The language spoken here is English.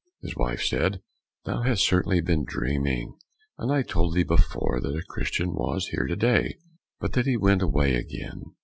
His wife said, "Thou hast certainly been dreaming, and I told thee before that a Christian was here to day, but that he went away again.